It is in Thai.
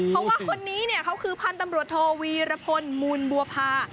เพราะว่าคนนี้เนี่ยเขาคือพันธุ์ตำรวจโทวีรพลมูลบัวพา